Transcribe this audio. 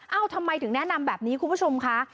ทำไมถึงแนะนำแบบนี้คุณผู้ชมคะ